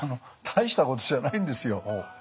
大したことじゃないんですよ。